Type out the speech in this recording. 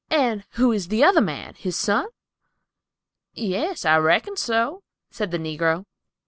"And who is the other man? His son?" "Yes, reckon so," said the negro.